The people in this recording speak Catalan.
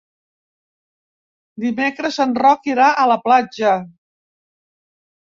Dimecres en Roc irà a la platja.